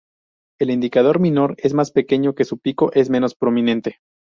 El indicator minor es más pequeño y su pico es menos prominente.